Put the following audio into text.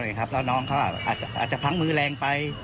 แล้วน้องเขาอาจจะพังมือแรงไป